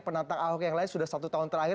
penantang ahok yang lain sudah satu tahun terakhir